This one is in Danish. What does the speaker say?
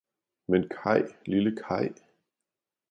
Men Kay, lille Kay!